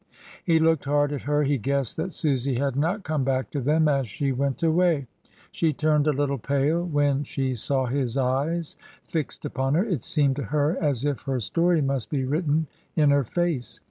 He looked hard at her. He guessed that Susy had not come back to them as she went away. She 270 MRS. DYMOND. turned a little pale when she saw his eyes fixed upon her. It seemed to her as if her story must be written in her face.